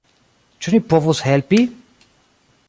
Ĉu ni povus helpi?